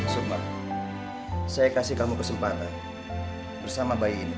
saya kasih kamu kesempatan bersama bayi ini